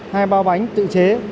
hai bao bánh tự chế